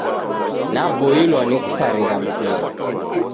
Naboilwaa ni kusarigha mpira.